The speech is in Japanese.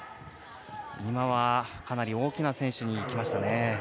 今は、かなり大きな選手にいきましたね。